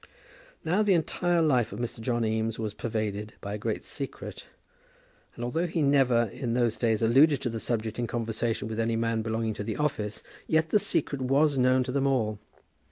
Now the entire life of Mr. John Eames was pervaded by a great secret; and although he never, in those days, alluded to the subject in conversation with any man belonging to the office, yet the secret was known to them all.